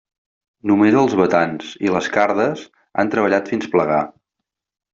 Només els batans i les cardes han treballat fins a plegar.